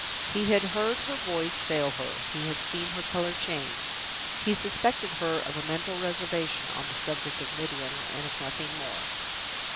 He had heard her voice fail her he had seen her color change. He suspected her of a mental reservation on the subject of Midwinter and of nothing more.